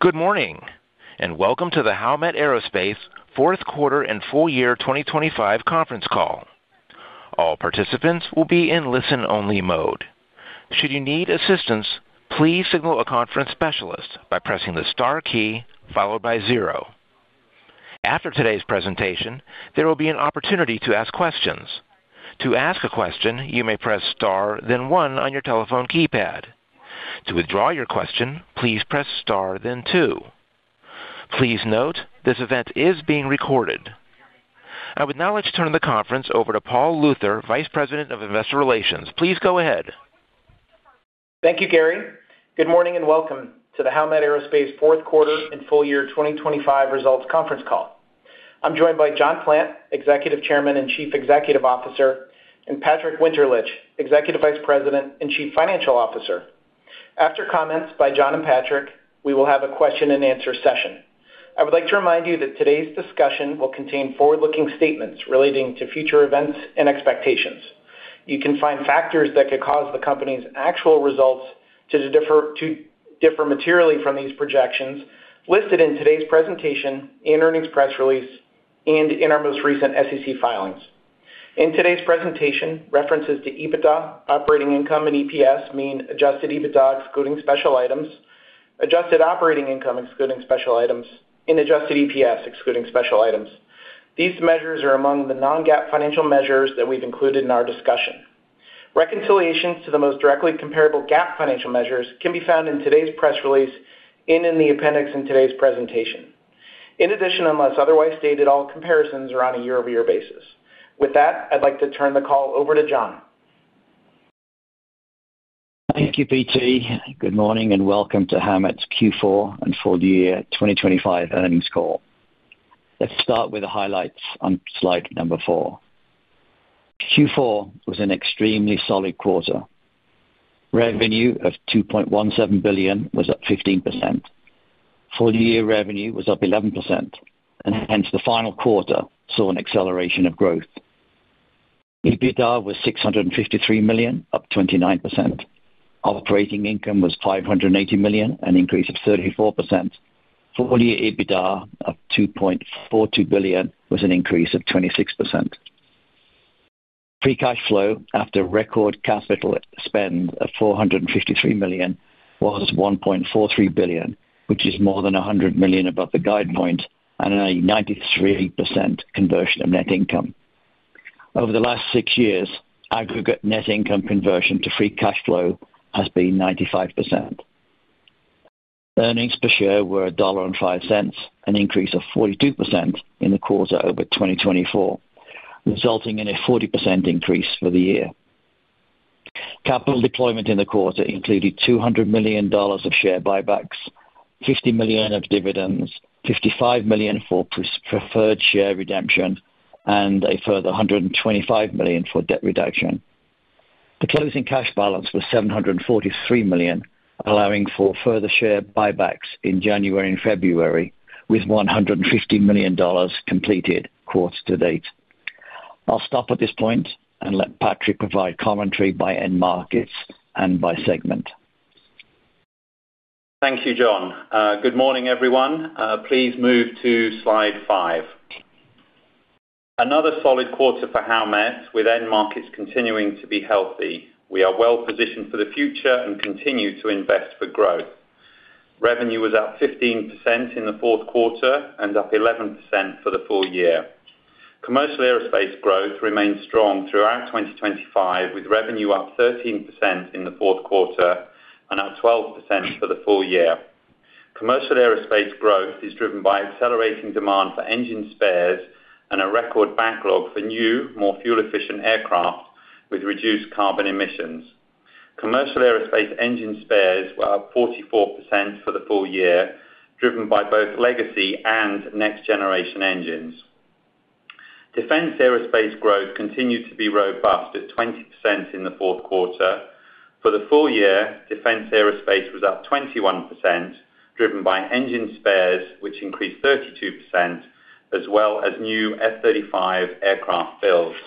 Good morning, and welcome to the Howmet Aerospace Fourth Quarter and Full Year 2025 Conference Call. All participants will be in listen-only mode. Should you need assistance, please signal a conference specialist by pressing the star key followed by zero. After today's presentation, there will be an opportunity to ask questions. To ask a question, you may press Star, then one on your telephone keypad. To withdraw your question, please press star, then two. Please note, this event is being recorded. I would now like to turn the conference over to Paul Luther, Vice President of Investor Relations. Please go ahead. Thank you, Gary. Good morning, and welcome to the Howmet Aerospace fourth quarter and full year 2025 results conference call. I'm joined by John Plant, Executive Chairman and Chief Executive Officer, and Patrick Winterlich, Executive Vice President and Chief Financial Officer. After comments by John and Patrick, we will have a question-and-answer session. I would like to remind you that today's discussion will contain forward-looking statements relating to future events and expectations. You can find factors that could cause the company's actual results to differ, to differ materially from these projections listed in today's presentation, in earnings press release, and in our most recent SEC filings. In today's presentation, references to EBITDA, operating income, and EPS mean adjusted EBITDA, excluding special items, adjusted operating income, excluding special items, and adjusted EPS, excluding special items. These measures are among the non-GAAP financial measures that we've included in our discussion. Reconciliation to the most directly comparable GAAP financial measures can be found in today's press release and in the appendix in today's presentation. In addition, unless otherwise stated, all comparisons are on a year-over-year basis. With that, I'd like to turn the call over to John. Thank you, PL. Good morning, and welcome to Howmet's Q4 and full-year 2025 earnings call. Let's start with the highlights on slide number four. Q4 was an extremely solid quarter. Revenue of $2.17 billion was up 15%. Full-year revenue was up 11%, and hence, the final quarter saw an acceleration of growth. EBITDA was $653 million, up 29%. Operating income was $580 million, an increase of 34%. Full-year EBITDA of $2.42 billion was an increase of 26%. Free cash flow, after record capital spend of $453 million, was $1.43 billion, which is more than $100 million above the guide point and a 93% conversion of net income. Over the last six years, aggregate net income conversion to free cash flow has been 95%. Earnings per share were $1.05, an increase of 42% in the quarter over 2024, resulting in a 40% increase for the year. Capital deployment in the quarter included $200 million of share buybacks, $50 million of dividends, $55 million for preferred share redemption, and a further $125 million for debt reduction. The closing cash balance was $743 million, allowing for further share buybacks in January and February, with $150 million completed quarter to date. I'll stop at this point and let Patrick provide commentary by end markets and by segment. Thank you, John. Good morning, everyone. Please move to slide five. Another solid quarter for Howmet, with end markets continuing to be healthy. We are well-positioned for the future and continue to invest for growth. Revenue was up 15% in the fourth quarter and up 11% for the full year. Commercial aerospace growth remained strong throughout 2025, with revenue up 13% in the fourth quarter and up 12% for the full year. Commercial aerospace growth is driven by accelerating demand for engine spares and a record backlog for new, more fuel-efficient aircraft with reduced carbon emissions. Commercial aerospace engine spares were up 44% for the full year, driven by both legacy and next-generation engines. Defense aerospace growth continued to be robust at 20% in the fourth quarter. For the full year, defense aerospace was up 21%, driven by engine spares, which increased 32%, as well as new F-35 aircraft builds.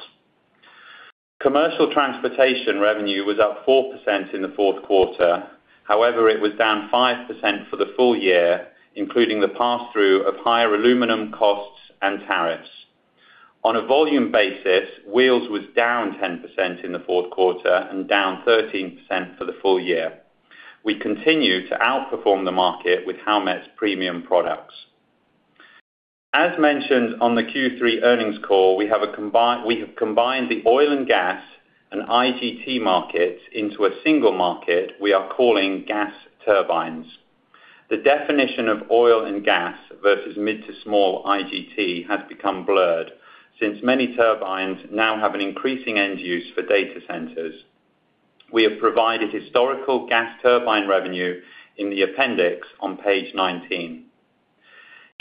Commercial transportation revenue was up 4% in the fourth quarter. However, it was down 5% for the full year, including the pass-through of higher aluminum costs and tariffs. On a volume basis, Wheels was down 10% in the fourth quarter and down 13% for the full year. We continue to outperform the market with Howmet's premium products. As mentioned on the Q3 earnings call, we have combined the oil and gas and IGT markets into a single market we are calling gas turbines. The definition of oil and gas versus mid to small IGT has become blurred, since many turbines now have an increasing end use for data centers. We have provided historical gas turbine revenue in the appendix on page 19.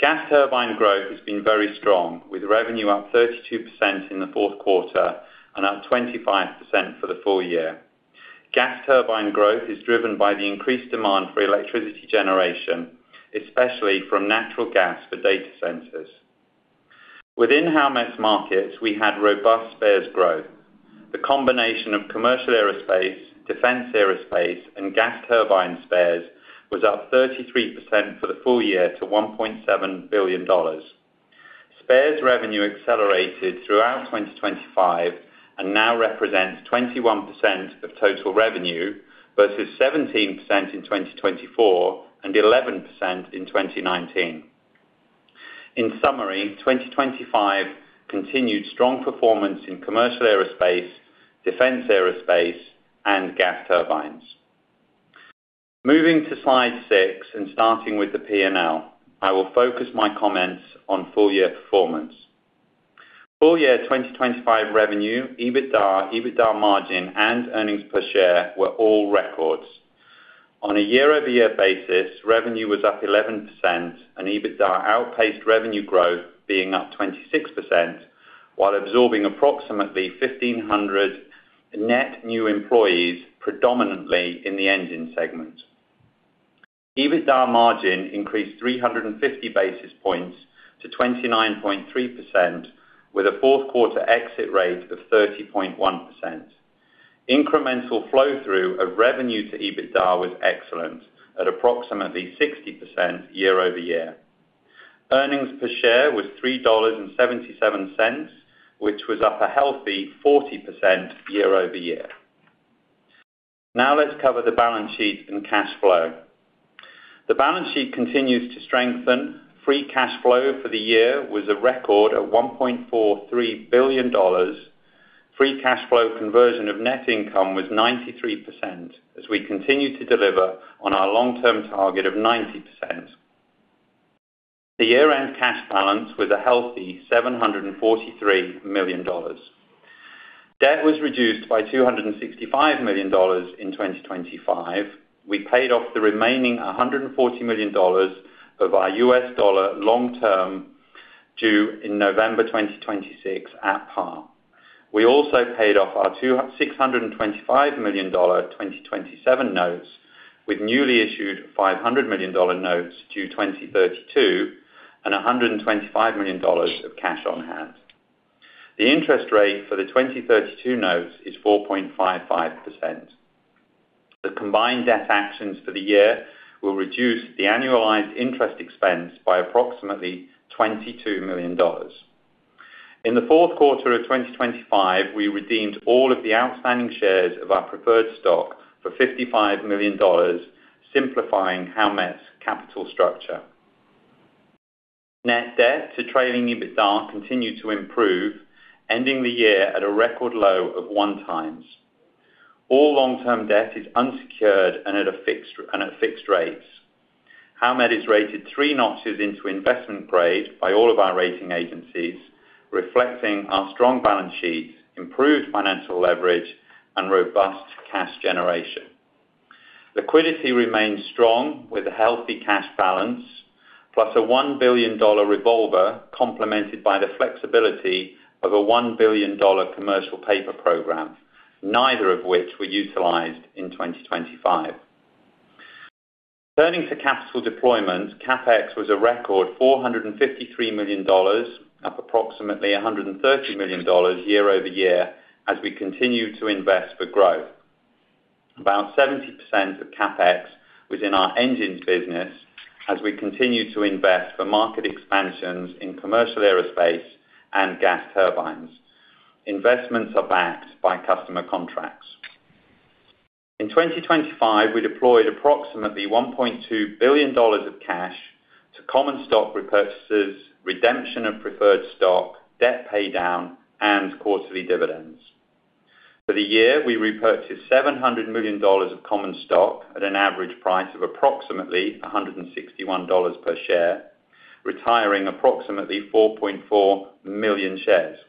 Gas turbine growth has been very strong, with revenue up 32% in the fourth quarter and up 25% for the full year. Gas turbine growth is driven by the increased demand for electricity generation, especially from natural gas for data centers. Within Howmet's markets, we had robust spares growth. The combination of commercial aerospace, defense aerospace, and gas turbine spares was up 33% for the full year to $1.7 billion. Spares revenue accelerated throughout 2025, and now represents 21% of total revenue versus 17% in 2024, and 11% in 2019. In summary, 2025 continued strong performance in commercial aerospace, defense aerospace, and gas turbines. Moving to slide six, and starting with the P&L, I will focus my comments on full year performance. Full year 2025 revenue, EBITDA, EBITDA margin, and earnings per share were all records. On a year-over-year basis, revenue was up 11%, and EBITDA outpaced revenue growth, being up 26%, while absorbing approximately 1,500 net new employees, predominantly in the engine segment. EBITDA margin increased 350 basis points to 29.3%, with a fourth quarter exit rate of 30.1%. Incremental Flow-Through of revenue to EBITDA was excellent, at approximately 60% year-over-year. Earnings per share was $3.77, which was up a healthy 40% year-over-year. Now, let's cover the balance sheet and cash flow. The balance sheet continues to strengthen. Free cash flow for the year was a record $1.43 billion. Free cash flow conversion of net income was 93%, as we continue to deliver on our long-term target of 90%. The year-end cash balance was a healthy $743 million. Debt was reduced by $265 million in 2025. We paid off the remaining $140 million of our U.S. dollar long-term, due in November 2026, at par. We also paid off our $625 million 2027 notes, with newly issued $500 million notes due 2032, and $125 million of cash on hand. The interest rate for the 2032 notes is 4.55%. The combined debt actions for the year will reduce the annualized interest expense by approximately $22 million. In the fourth quarter of 2025, we redeemed all of the outstanding shares of our preferred stock for $55 million, simplifying Howmet's capital structure. Net debt to trailing EBITDA continued to improve, ending the year at a record low of 1x. All long-term debt is unsecured and at fixed rates. Howmet is rated 3 notches into investment grade by all of our rating agencies, reflecting our strong balance sheet, improved financial leverage, and robust cash generation. Liquidity remains strong with a healthy cash balance, plus a $1 billion revolver, complemented by the flexibility of a $1 billion commercial paper program, neither of which were utilized in 2025. Turning to capital deployment, CapEx was a record $453 million, up approximately $130 million year-over-year, as we continue to invest for growth. About 70% of CapEx was in our engines business, as we continue to invest for market expansions in commercial aerospace and gas turbines. Investments are backed by customer contracts. In 2025, we deployed approximately $1.2 billion of cash to common stock repurchases, redemption of preferred stock, debt paydown, and quarterly dividends. For the year, we repurchased $700 million of common stock at an average price of approximately $161 per share, retiring approximately 4.4 million shares.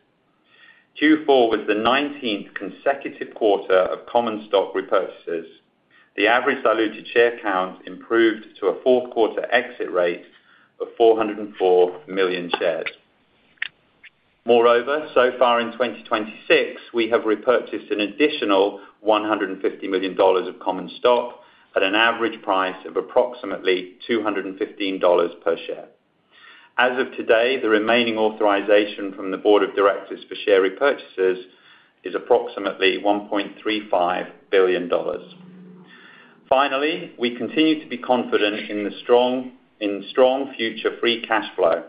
Q4 was the 19th consecutive quarter of common stock repurchases. The average diluted share count improved to a fourth quarter exit rate of 404 million shares. Moreover, so far in 2026, we have repurchased an additional $150 million of common stock at an average price of approximately $215 per share. As of today, the remaining authorization from the board of directors for share repurchases is approximately $1.35 billion. Finally, we continue to be confident in the strong future free cash flow.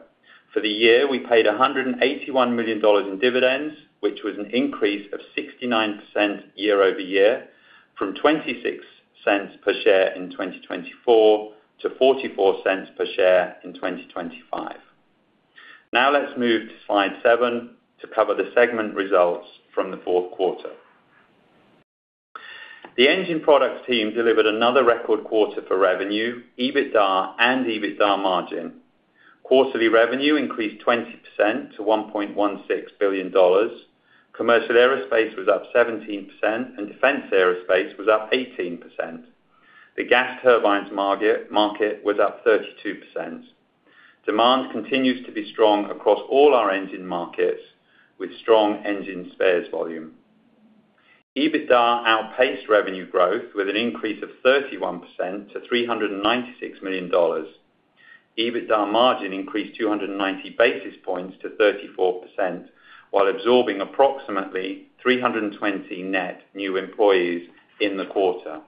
For the year, we paid $181 million in dividends, which was an increase of 69% year-over-year, from 26 cents per share in 2024 to 44 cents per share in 2025. Now, let's move to slide seven to cover the segment results from the fourth quarter. The engine products team delivered another record quarter for revenue, EBITDA, and EBITDA margin. Quarterly revenue increased 20% to $1.16 billion. Commercial aerospace was up 17%, and defense aerospace was up 18%. The gas turbines market was up 32%. Demand continues to be strong across all our engine markets, with strong engine spares volume. EBITDA outpaced revenue growth with an increase of 31% to $396 million. EBITDA margin increased 290 basis points to 34%, while absorbing approximately 320 net new employees in the quarter.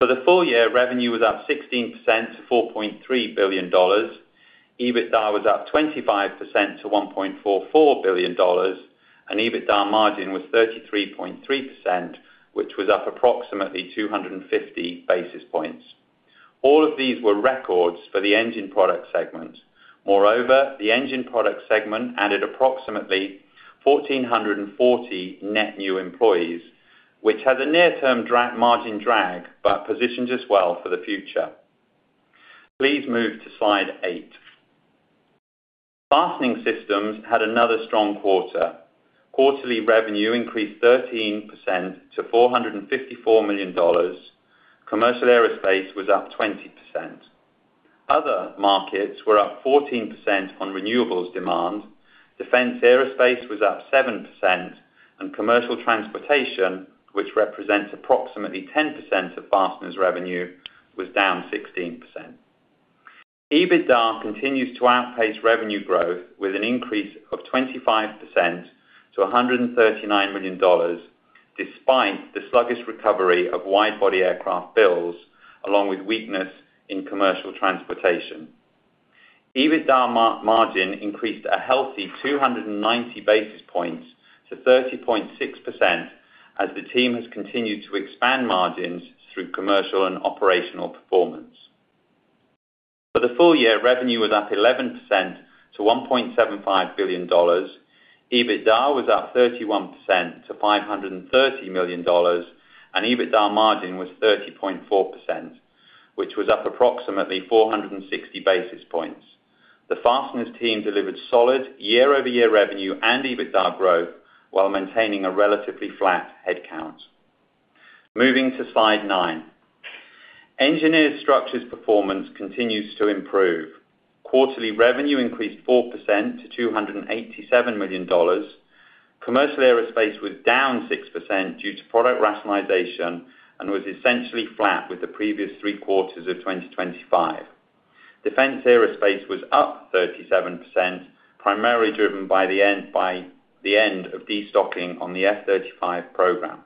For the full year, revenue was up 16% to $4.3 billion. EBITDA was up 25% to $1.44 billion, and EBITDA margin was 33.3%, which was up approximately 250 basis points. All of these were records for the Engine Products segment. Moreover, the Engine Products segment added approximately 1,440 net new employees, which has a near-term margin drag, but positions us well for the future. Please move to slide eight. Fastening Systems had another strong quarter. Quarterly revenue increased 13% to $454 million. Commercial aerospace was up 20%. Other markets were up 14% on renewables demand, defense aerospace was up 7%, and commercial transportation, which represents approximately 10% of Fasteners revenue, was down 16%. EBITDA continues to outpace revenue growth with an increase of 25% to $139 million, despite the sluggish recovery of wide-body aircraft builds, along with weakness in commercial transportation. EBITDA margin increased a healthy 290 basis points to 30.6%, as the team has continued to expand margins through commercial and operational performance. For the full year, revenue was up 11% to $1.75 billion. EBITDA was up 31% to $530 million, and EBITDA margin was 30.4%, which was up approximately 460 basis points. The Fasteners team delivered solid year-over-year revenue and EBITDA growth while maintaining a relatively flat headcount. Moving to slide 9. Engineered Structures performance continues to improve. Quarterly revenue increased 4% to $287 million. Commercial aerospace was down 6% due to product rationalization and was essentially flat with the previous three quarters of 2025. Defense aerospace was up 37%, primarily driven by the end of destocking on the F-35 program.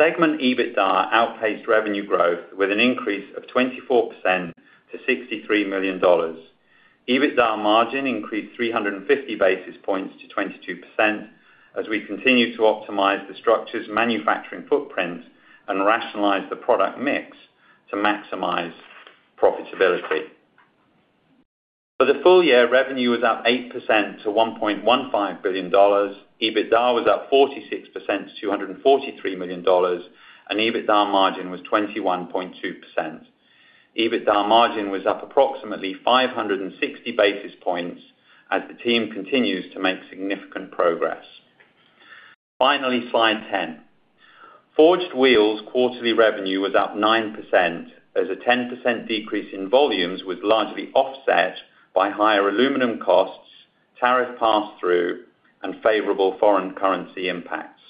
Segment EBITDA outpaced revenue growth with an increase of 24% to $63 million. EBITDA margin increased 350 basis points to 22%, as we continue to optimize the structures manufacturing footprint and rationalize the product mix to maximize profitability. For the full year, revenue was up 8% to $1.15 billion. EBITDA was up 46% to $243 million, and EBITDA margin was 21.2%. EBITDA margin was up approximately 560 basis points as the team continues to make significant progress. Finally, slide 10. Forged Wheels quarterly revenue was up 9%, as a 10% decrease in volumes was largely offset by higher aluminum costs, tariff pass-through, and favorable foreign currency impacts.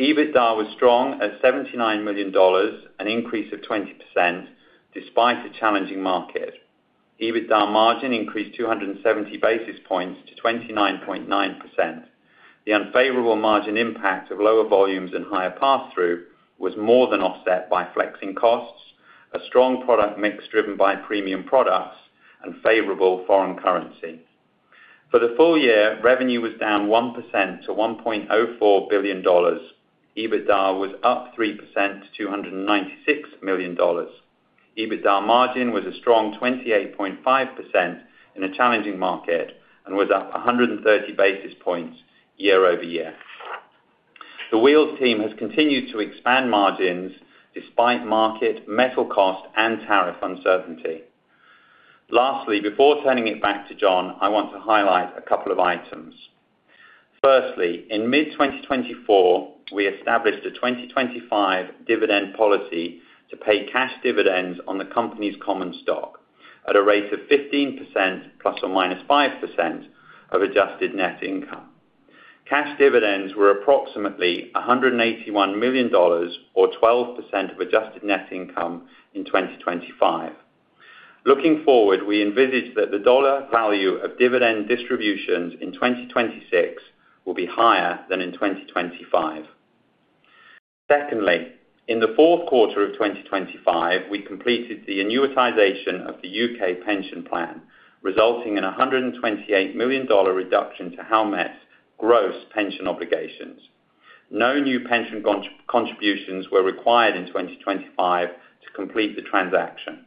EBITDA was strong at $79 million, an increase of 20%, despite a challenging market. EBITDA margin increased 270 basis points to 29.9%. The unfavorable margin impact of lower volumes and higher pass-through was more than offset by flexing costs, a strong product mix driven by premium products, and favorable foreign currency. For the full year, revenue was down 1% to $1.04 billion. EBITDA was up 3% to $296 million. EBITDA margin was a strong 28.5% in a challenging market and was up 130 basis points year-over-year. The Wheels team has continued to expand margins despite market, metal cost, and tariff uncertainty. Lastly, before turning it back to John, I want to highlight a couple of items. Firstly, in mid-2024, we established a 2025 dividend policy to pay cash dividends on the company's common stock at a rate of 15% ±5% of adjusted net income. Cash dividends were approximately $181 million, or 12% of adjusted net income in 2025. Looking forward, we envisage that the dollar value of dividend distributions in 2026 will be higher than in 2025. Secondly, in the fourth quarter of 2025, we completed the annuitization of the U.K. pension plan, resulting in a $128 million reduction to Howmet's gross pension obligations. No new pension contributions were required in 2025 to complete the transaction.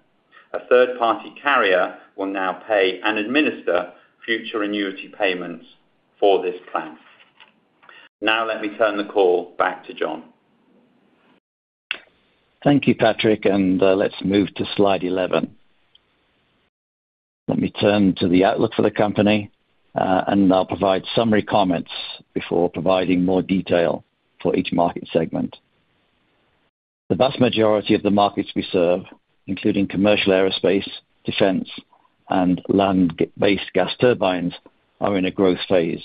A third-party carrier will now pay and administer future annuity payments for this plan. Now, let me turn the call back to John. Thank you, Patrick, and let's move to slide 11. Let me turn to the outlook for the company, and I'll provide summary comments before providing more detail for each market segment. The vast majority of the markets we serve, including commercial aerospace, defense, and land-based gas turbines, are in a growth phase.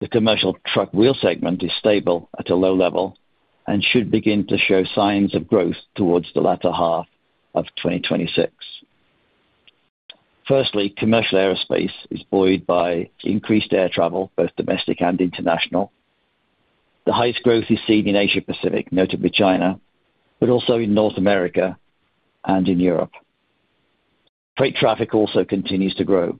The commercial truck wheel segment is stable at a low level and should begin to show signs of growth towards the latter half of 2026. Firstly, commercial aerospace is buoyed by increased air travel, both domestic and international. The highest growth is seen in Asia Pacific, notably China, but also in North America and in Europe. Freight traffic also continues to grow.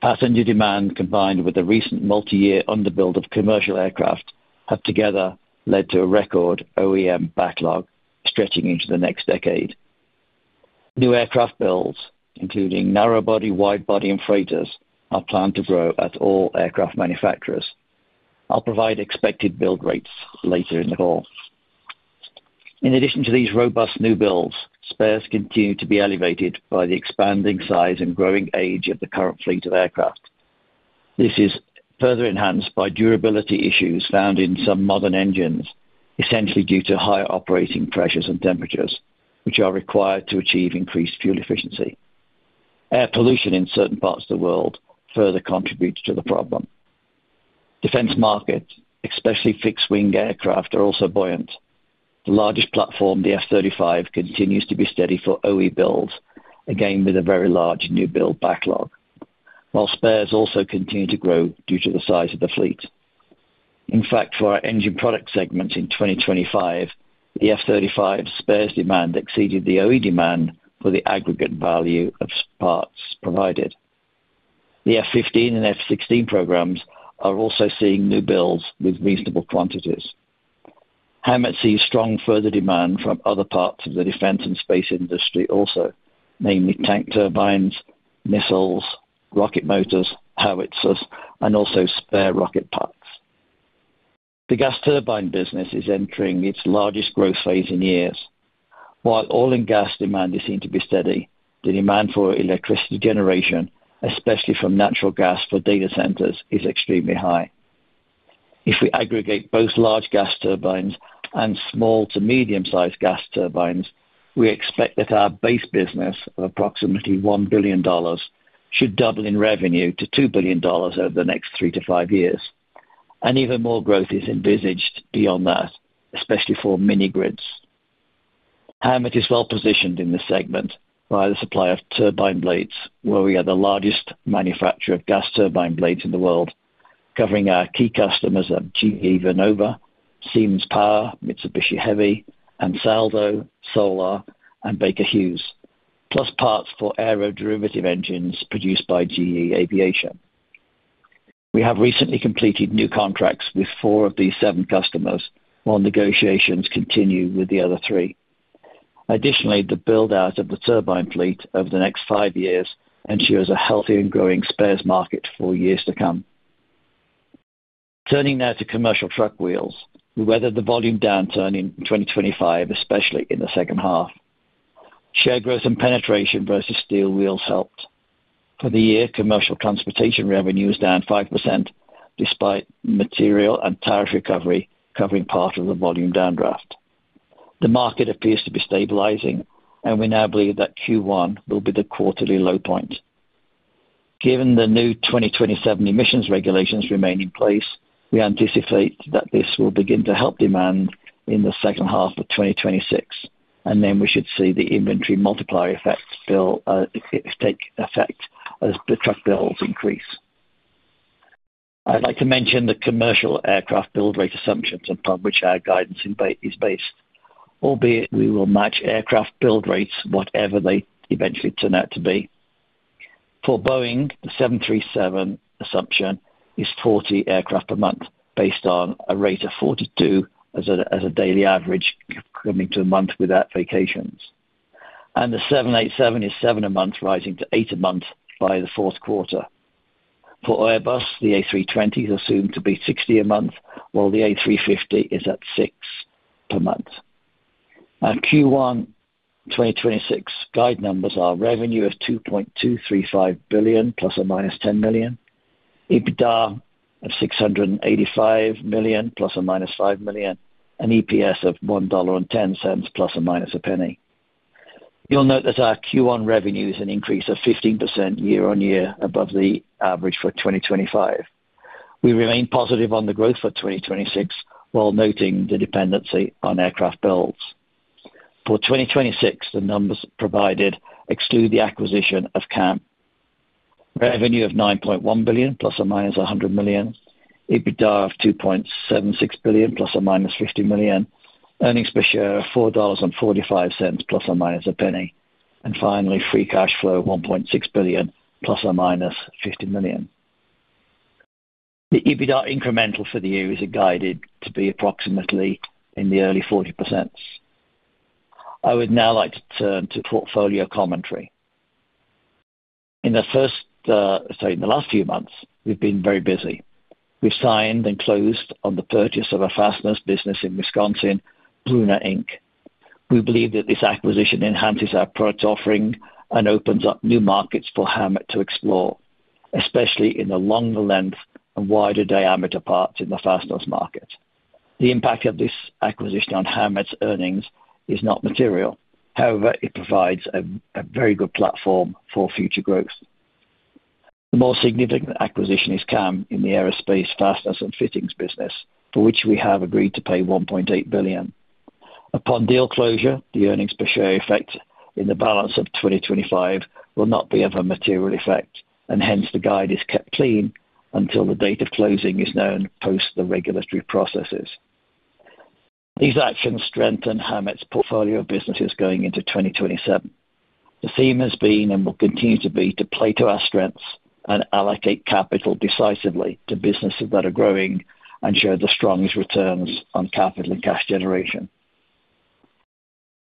Passenger demand, combined with the recent multi-year underbuild of commercial aircraft, have together led to a record OEM backlog stretching into the next decade. New aircraft builds, including narrow body, wide body, and freighters, are planned to grow at all aircraft manufacturers. I'll provide expected build rates later in the call. In addition to these robust new builds, spares continue to be elevated by the expanding size and growing age of the current fleet of aircraft. This is further enhanced by durability issues found in some modern engines, essentially due to higher operating pressures and temperatures, which are required to achieve increased fuel efficiency. Air pollution in certain parts of the world further contributes to the problem. Defense markets, especially fixed-wing aircraft, are also buoyant. The largest platform, the F-35, continues to be steady for OE builds, again, with a very large new build backlog, while spares also continue to grow due to the size of the fleet. In fact, for our engine product segment in 2025, the F-35 spares demand exceeded the OE demand for the aggregate value of parts provided. The F-15 and F-16 programs are also seeing new builds with reasonable quantities. Howmet sees strong further demand from other parts of the defense and space industry also, namely tank turbines, missiles, rocket motors, howitzers, and also spare rocket parts. The gas turbine business is entering its largest growth phase in years. While oil and gas demand is seen to be steady, the demand for electricity generation, especially from natural gas for data centers, is extremely high. If we aggregate both large gas turbines and small to medium-sized gas turbines, we expect that our base business of approximately $1 billion should double in revenue to $2 billion over the next 3-5 years, and even more growth is envisaged beyond that, especially for mini grids. Howmet is well positioned in this segment by the supply of turbine blades, where we are the largest manufacturer of gas turbine blades in the world, covering our key customers of GE Vernova, Siemens Power, Mitsubishi Heavy, Ansaldo, Solar, and Baker Hughes, plus parts for aero-derivative engines produced by GE Aviation. We have recently completed new contracts with four of these seven customers, while negotiations continue with the other three. Additionally, the build-out of the turbine fleet over the next 5 years ensures a healthy and growing spares market for years to come. Turning now to commercial truck wheels. We weathered the volume downturn in 2025, especially in the second half. Share growth and penetration versus steel wheels helped. For the year, commercial transportation revenue is down 5%, despite material and tariff recovery covering part of the volume downdraft. The market appears to be stabilizing, and we now believe that Q1 will be the quarterly low point. Given the new 2027 emissions regulations remain in place, we anticipate that this will begin to help demand in the second half of 2026, and then we should see the inventory multiplier effects fill, take effect as the truck builds increase. I'd like to mention the commercial aircraft build rate assumptions upon which our guidance is based, albeit we will match aircraft build rates whatever they eventually turn out to be. For Boeing, the 737 assumption is 40 aircraft per month, based on a rate of 42 as a daily average coming to a month without vacations. And the 787 is seven a month, rising to eight a month by the fourth quarter. For Airbus, the A320 is assumed to be 60 a month, while the A350 is at six per month. Our Q1 2026 guide numbers are revenue of $2.235 billion ±$10 million, EBITDA of $685 million ±$5 million, and EPS of $1.10 ±$0.01. You'll note that our Q1 revenue is an increase of 15% year-on-year above the average for 2025. We remain positive on the growth for 2026, while noting the dependency on aircraft builds. For 2026, the numbers provided exclude the acquisition of CAM. Revenue of $9.1 billion ±$100 million, EBITDA of $2.76 billion ±$50 million, earnings per share of $4.45 ±$0.01, and finally, free cash flow of $1.6 billion ±$50 million. The EBITDA incremental for the year is guided to be approximately in the early 40%. I would now like to turn to portfolio commentary. In the last few months, we've been very busy. We've signed and closed on the purchase of a fasteners business in Wisconsin, Brunner Inc. We believe that this acquisition enhances our product offering and opens up new markets for Howmet to explore, especially in the longer length and wider diameter parts in the fasteners market. The impact of this acquisition on Howmet's earnings is not material. However, it provides a very good platform for future growth. The more significant acquisition is CAM in the aerospace fasteners and fittings business, for which we have agreed to pay $1.8 billion. Upon deal closure, the earnings per share effect in the balance of 2025 will not be of a material effect, and hence the guide is kept clean until the date of closing is known post the regulatory processes. These actions strengthen Howmet's portfolio of businesses going into 2027. The theme has been and will continue to be, to play to our strengths and allocate capital decisively to businesses that are growing and show the strongest returns on capital and cash generation.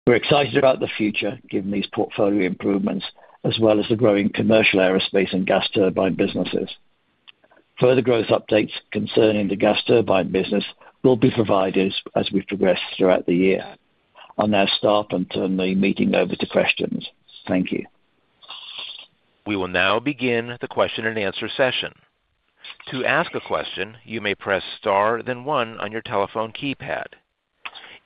We're excited about the future, given these portfolio improvements, as well as the growing commercial aerospace and gas turbine businesses. Further growth updates concerning the gas turbine business will be provided as we progress throughout the year. I'll now stop and turn the meeting over to questions. Thank you. We will now begin the question and answer session. To ask a question, you may press star, then one on your telephone keypad.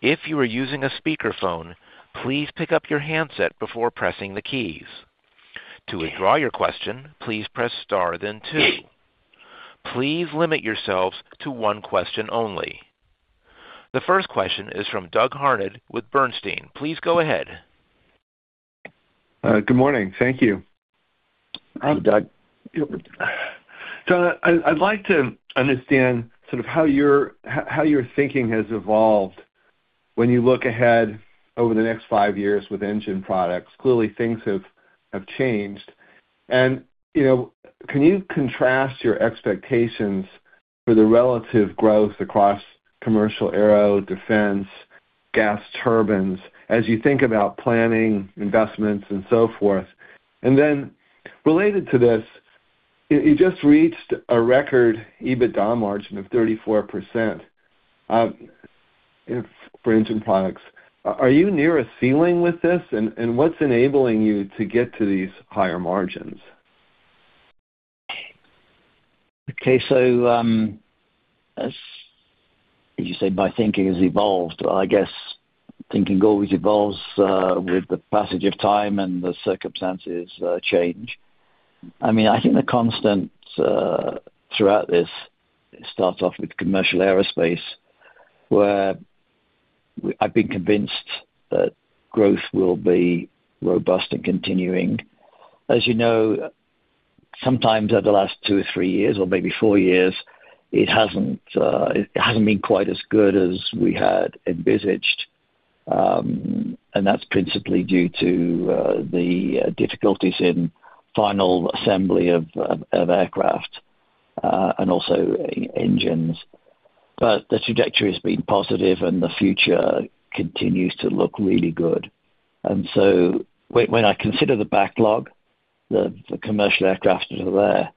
If you are using a speakerphone, please pick up your handset before pressing the keys. To withdraw your question, please press star then two. Please limit yourselves to one question only. The first question is from Doug Harned with Bernstein. Please go ahead. Good morning. Thank you. Hi, Doug. So I'd like to understand sort of how your thinking has evolved when you look ahead over the next 5 years with engine products. Clearly, things have changed. And you know, can you contrast your expectations for the relative growth across commercial aero, defense, gas turbines as you think about planning, investments, and so forth? And then related to this, you just reached a record EBITDA margin of 34%, for engine products. Are you near a ceiling with this? And what's enabling you to get to these higher margins? Okay, so, as you say, my thinking has evolved. I guess thinking always evolves with the passage of time and the circumstances change. I mean, I think the constant throughout this starts off with commercial aerospace, where I've been convinced that growth will be robust and continuing. As you know, sometimes over the last 2 years or 3 years, or maybe 4 years, it hasn't been quite as good as we had envisaged. And that's principally due to the difficulties in final assembly of aircraft and also engines. But the trajectory has been positive, and the future continues to look really good. And so when I consider the backlog, the commercial aircraft that are there,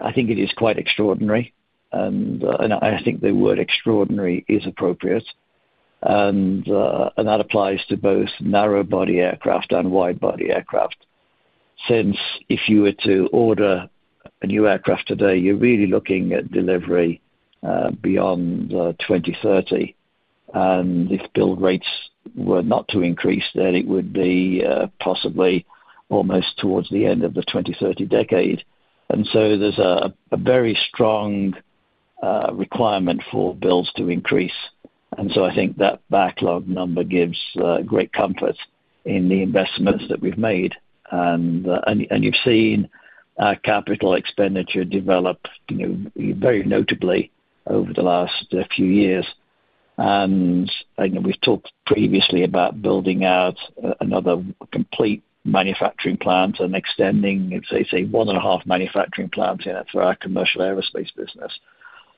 I think it is quite extraordinary, and I think the word extraordinary is appropriate. And that applies to both narrow-body aircraft and wide-body aircraft. Since if you were to order a new aircraft today, you're really looking at delivery beyond 2030. And if build rates were not to increase, then it would be possibly almost towards the end of the 2030 decade. And so there's a very strong requirement for builds to increase. And so I think that backlog number gives great comfort in the investments that we've made. And you've seen our capital expenditure develop, you know, very notably over the last few years. And I know we've talked previously about building out another complete manufacturing plant and extending, let's say, one and a half manufacturing plants for our commercial aerospace business.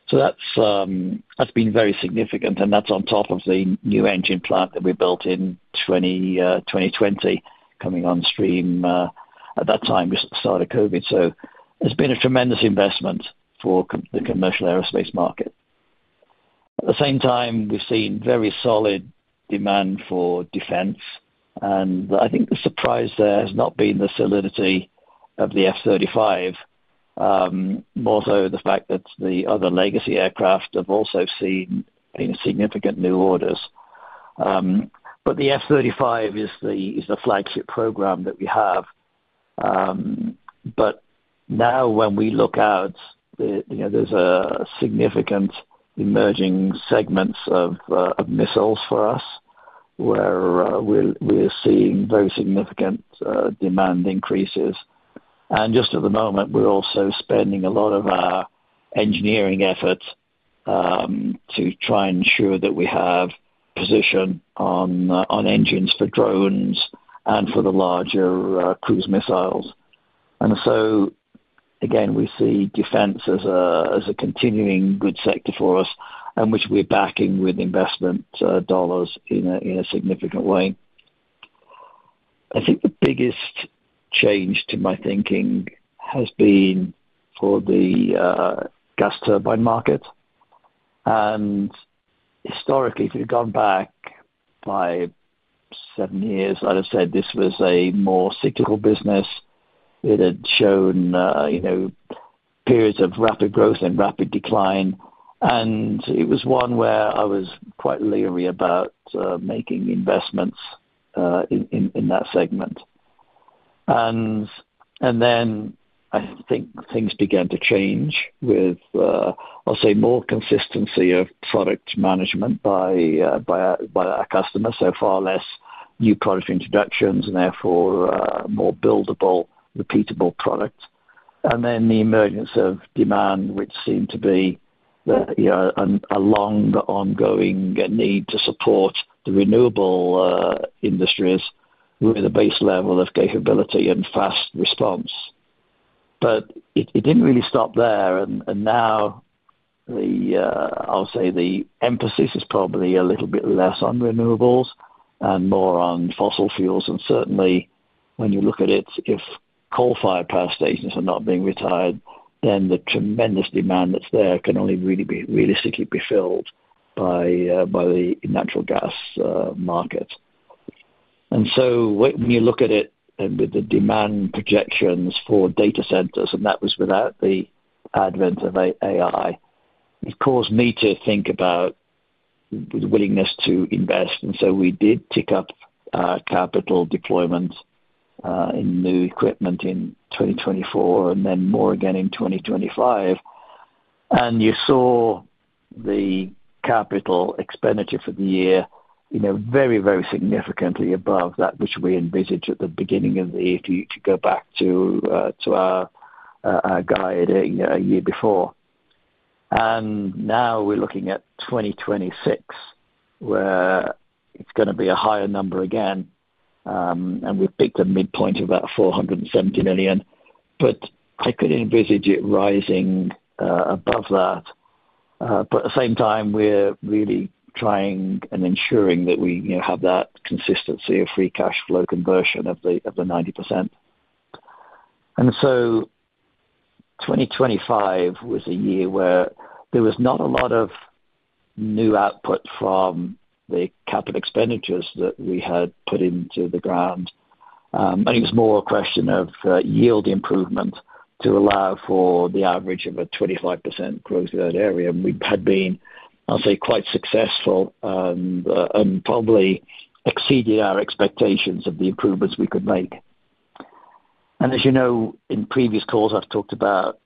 So that's been very significant, and that's on top of the new engine plant that we built in 2020, coming on stream at that time, just at the start of COVID. So it's been a tremendous investment for the commercial aerospace market. At the same time, we've seen very solid demand for defense, and I think the surprise there has not been the solidity of the F-35, more so the fact that the other legacy aircraft have also seen significant new orders. But the F-35 is the flagship program that we have. But now when we look out, you know, there's a significant emerging segments of missiles for us, where we're seeing very significant demand increases. And just at the moment, we're also spending a lot of our engineering efforts to try and ensure that we have position on engines for drones and for the larger cruise missiles. And so again, we see defense as a continuing good sector for us, and which we're backing with investment dollars in a significant way. I think the biggest change to my thinking has been for the gas turbine market. And historically, if you'd gone back by seven years, I'd have said this was a more cyclical business. It had shown, you know, periods of rapid growth and rapid decline, and it was one where I was quite leery about making investments in that segment. And then I think things began to change with, I'll say, more consistency of product management by our customers, so far less new product introductions and therefore, more buildable, repeatable product. And then the emergence of demand, which seemed to be, you know, a long, ongoing need to support the renewable industries with a base level of capability and fast response. But it didn't really stop there, and now the emphasis is probably a little bit less on renewables and more on fossil fuels. And certainly, when you look at it, if coal-fired power stations are not being retired, then the tremendous demand that's there can only really be realistically filled by the natural gas market. So when, when you look at it and with the demand projections for data centers, and that was without the advent of AI, it caused me to think about the willingness to invest, and so we did tick up capital deployment in new equipment in 2024, and then more again in 2025. And you saw the capital expenditure for the year, you know, very, very significantly above that which we envisaged at the beginning of the year, to go back to our guidance, you know, a year before. And now we're looking at 2026, where it's gonna be a higher number again, and we've picked a midpoint of about $470 million. But I could envisage it rising above that, but at the same time, we're really trying and ensuring that we, you know, have that consistency of free cash flow conversion of the 90%. And so 2025 was a year where there was not a lot of new output from the capital expenditures that we had put into the ground. I think it was more a question of yield improvement to allow for the average of a 25% growth in that area. And we had been, I'll say, quite successful and probably exceeded our expectations of the improvements we could make. And as you know, in previous calls, I've talked about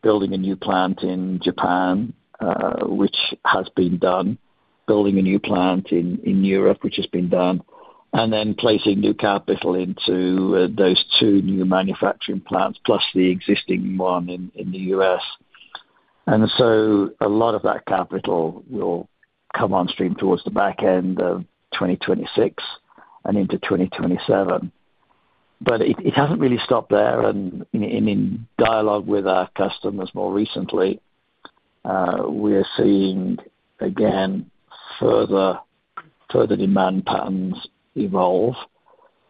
building a new plant in Japan, which has been done. Building a new plant in Europe, which has been done, and then placing new capital into those two new manufacturing plants, plus the existing one in the U.S. And so a lot of that capital will come on stream towards the back end of 2026 and into 2027. But it hasn't really stopped there, and in dialogue with our customers more recently, we are seeing, again, further demand patterns evolve,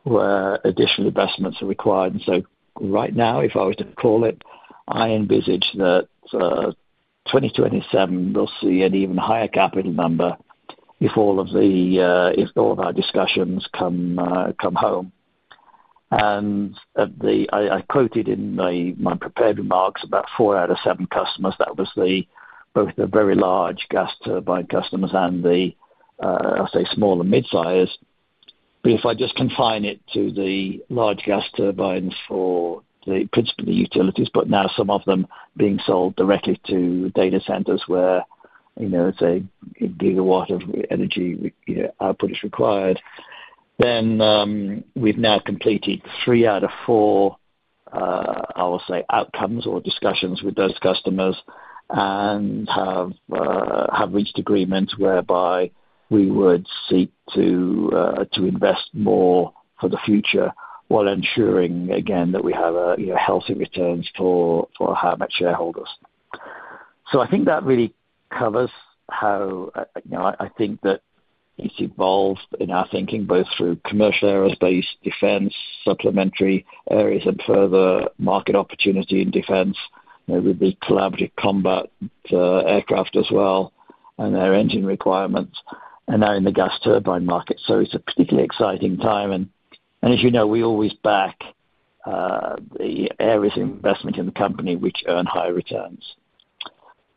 where additional investments are required. And so right now, if I was to call it, I envisage that 2027 will see an even higher capital number if all of our discussions come home. And the... I quoted in my prepared remarks about four out of seven customers, that was both the very large gas turbine customers and the, I'll say, small and mid-sized. But if I just confine it to the large gas turbines for the principally utilities, but now some of them being sold directly to data centers where, you know, say, a gigawatt of energy, you know, output is required, then we've now completed 3 out of 4, I'll say, outcomes or discussions with those customers and have reached agreements whereby we would seek to invest more for the future, while ensuring, again, that we have a, you know, healthy returns for our Howmet shareholders. So I think that really covers how, you know, I think that it's evolved in our thinking, both through commercial aerospace, defense, supplementary areas and further market opportunity in defense, you know, with the collaborative combat aircraft as well and their engine requirements, and now in the gas turbine market. So it's a particularly exciting time, and as you know, we always back the areas of investment in the company which earn higher returns.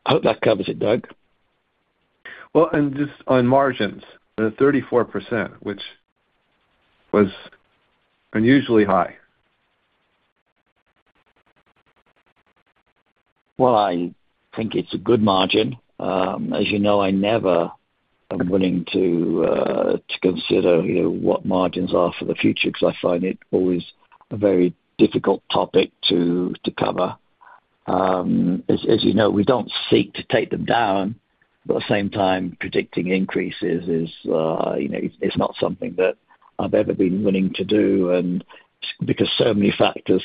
I hope that covers it, Doug. Well, just on margins, the 34%, which was unusually high. Well, I think it's a good margin. As you know, I never am willing to consider, you know, what margins are for the future, because I find it always a very difficult topic to cover. As you know, we don't seek to take them down, but at the same time, predicting increases is, you know, it's not something that I've ever been willing to do, and because so many factors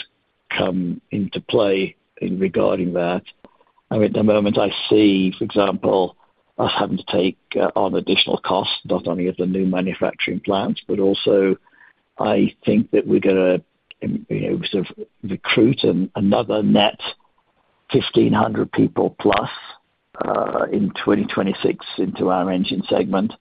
come into play in regarding that. I mean, at the moment I see, for example, us having to take on additional costs, not only at the new manufacturing plants, but also I think that we're gonna, you know, sort of recruit another net 1,500 people plus in 2026 into our engine segment.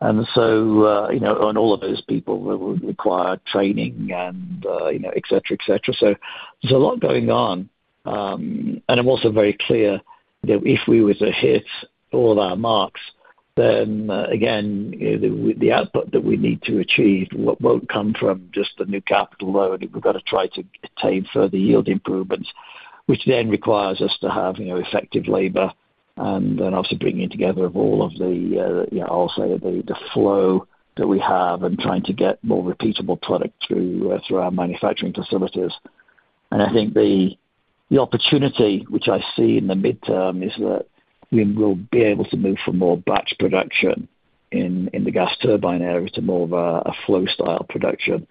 And so, you know, and all of those people will require training and, you know, et cetera, et cetera. So there's a lot going on. And I'm also very clear that if we were to hit all our marks, then, again, you know, the output that we need to achieve, what won't come from just the new capital load, we've got to try to attain further yield improvements, which then requires us to have, you know, effective labor and then obviously bringing together of all of the, you know, I'll say the flow that we have and trying to get more repeatable product through our manufacturing facilities. I think the opportunity which I see in the midterm is that we will be able to move from more batch production in the gas turbine area to more of a flow style production,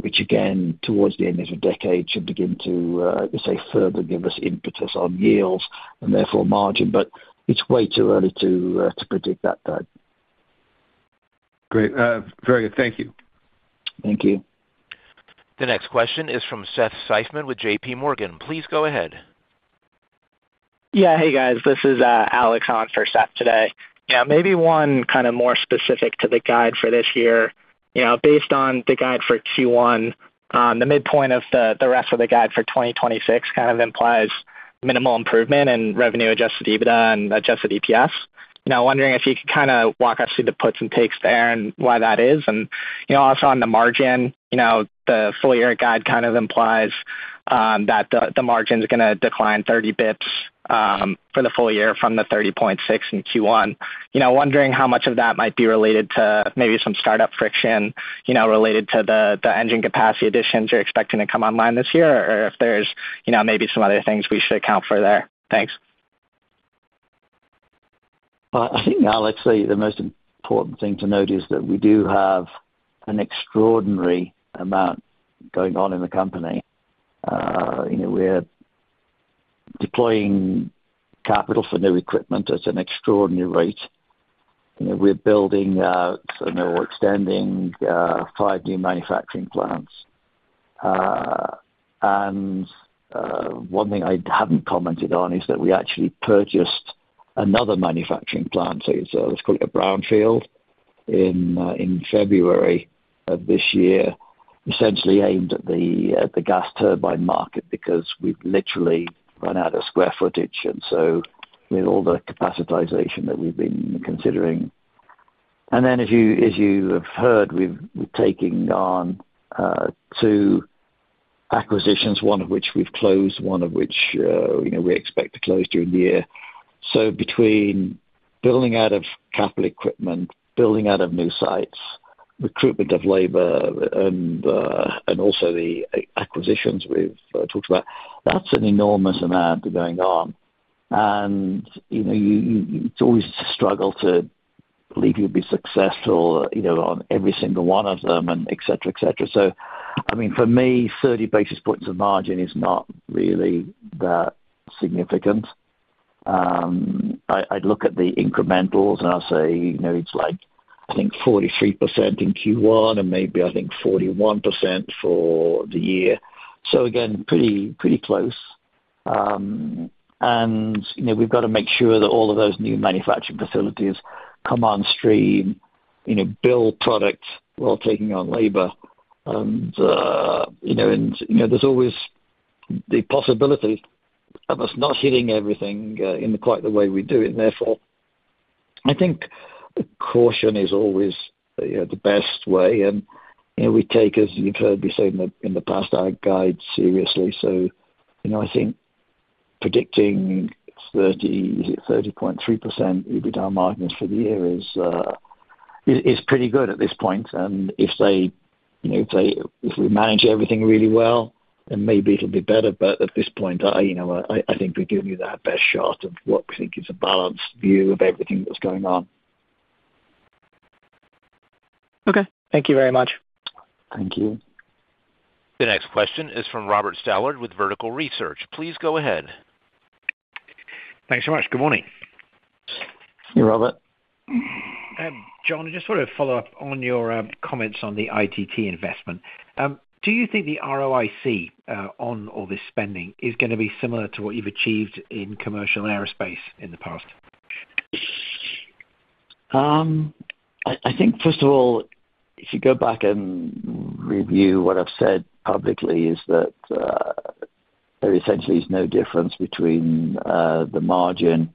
which again, towards the end of the decade, should begin to say further give us impetus on yields and therefore margin. But it's way too early to predict that though. Great. Very good. Thank you. Thank you. The next question is from Seth Seifman with JPMorgan. Please go ahead. Yeah. Hey, guys. This is Alex on for Seth today. Yeah, maybe one kind of more specific to the guide for this year. You know, based on the guide for Q1, the midpoint of the rest of the guide for 2026 kind of implies minimal improvement in revenue, adjusted EBITDA, and adjusted EPS. Now, I'm wondering if you could kind of walk us through the puts and takes there and why that is. And, you know, also on the margin, you know, the full year guide kind of implies that the margin is gonna decline 30 basis points for the full year from the 30.6% in Q1. You know, wondering how much of that might be related to maybe some startup friction, you know, related to the engine capacity additions you're expecting to come online this year, or if there's, you know, maybe some other things we should account for there. Thanks. Well, I think, Alex, the most important thing to note is that we do have an extraordinary amount going on in the company. You know, we're deploying capital for new equipment at an extraordinary rate. You know, we're building out or extending five new manufacturing plants. And one thing I haven't commented on is that we actually purchased another manufacturing plant, so let's call it a brownfield, in February of this year, essentially aimed at the gas turbine market, because we've literally run out of square footage, and so with all the capacitization that we've been considering. And then as you have heard, we're taking on two acquisitions, one of which we've closed, one of which, you know, we expect to close during the year. So between building out of capital equipment, building out of new sites, recruitment of labor, and also the acquisitions we've talked about, that's an enormous amount going on. And, you know, you, it's always a struggle to believe you'll be successful, you know, on every single one of them, and et cetera, et cetera. So, I mean, for me, 30 basis points of margin is not really that significant. I'd look at the incrementals, and I'll say, you know, it's like, I think 43% in Q1, and maybe I think 41% for the year. So again, pretty, pretty close. And, you know, we've got to make sure that all of those new manufacturing facilities come on stream, you know, build product while taking on labor. You know, and you know, there's always the possibility of us not hitting everything in quite the way we do it. Therefore, I think caution is always, you know, the best way. You know, we take, as you've heard me say in the past, our guide seriously. So, you know, I think predicting 30.3% EBITDA margins for the year is pretty good at this point. And if they, you know, if they—if we manage everything really well, then maybe it'll be better. But at this point, I, you know, I think we've given you our best shot of what we think is a balanced view of everything that's going on. Okay, thank you very much. Thank you. The next question is from Robert Stallard with Vertical Research. Please go ahead. Thanks so much. Good morning. Hey, Robert. John, I just want to follow up on your comments on the IGT investment. Do you think the ROIC on all this spending is gonna be similar to what you've achieved in commercial aerospace in the past? I think, first of all, if you go back and review, what I've said publicly is that there essentially is no difference between the margin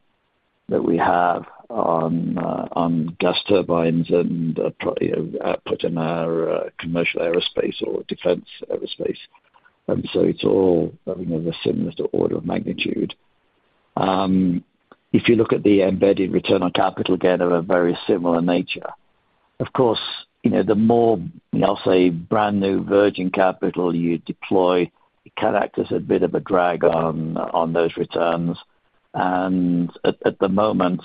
that we have on gas turbines and output in our commercial aerospace or defense aerospace. And so it's all, you know, a similar to order of magnitude. If you look at the embedded return on capital, again, are a very similar nature. Of course, you know, the more, I'll say, brand new virgin capital you deploy, it can act as a bit of a drag on those returns. And at the moment,